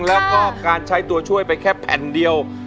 แล้วก็การใช้ตัวช่วยไปแค่แผ่นเดียว